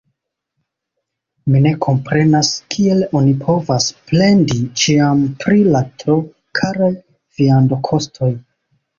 Mi ne komprenas, kiel oni povas plendi ĉiam pri la tro karaj viandokostoj!